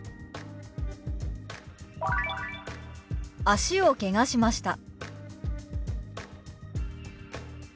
「脚をけがしました」。